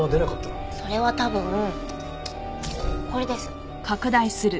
それは多分これです。